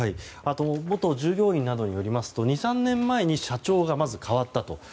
元従業員などによりますと２３年前に社長が変わったと。